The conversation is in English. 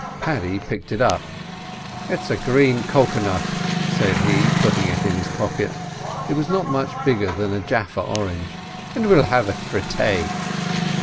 Paddy picked it up. "It's a green cucanut," said he, putting it in his pocket (it was not very much bigger than a Jaffa orange), "and we'll have it for tay."